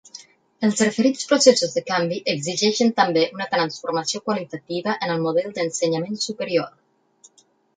Els referits processos de canvi exigeixen també una transformació qualitativa en el model d’ensenyament superior.